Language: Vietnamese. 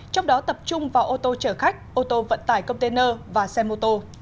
trong đó tập trung vào ô tô chở khách ô tô vận tải container và xe mô tô